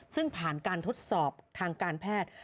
ซึ่งผ่านการทดสอบทางการแพทย์